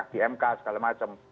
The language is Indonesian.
di mk segala macam